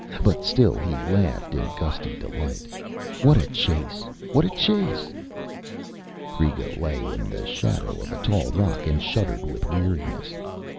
But still he laughed in gusty delight. What a chase! What a chase! Kreega lay in the shadow of a tall rock and shuddered with weariness.